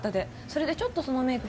それでちょっとそのメイク